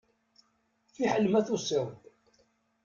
Fiḥel ma tusiḍ-d.